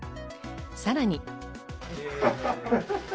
さらに。